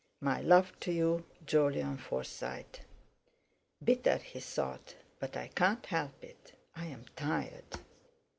"My love to you, "JOLYON FORSYTE." "Bitter," he thought, "but I can't help it. I'm tired."